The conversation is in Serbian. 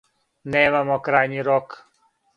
Немамо крајњи рок.